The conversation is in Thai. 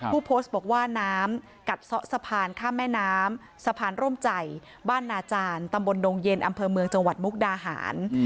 ผู้โพสต์บอกว่าน้ำกัดซ่อสะพานข้ามแม่น้ำสะพานร่มใจบ้านนาจารย์ตำบลดงเย็นอำเภอเมืองจังหวัดมุกดาหาร